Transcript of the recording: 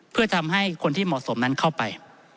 เพื่อทำให้คนที่เหมาะสมนั้นเข้าไป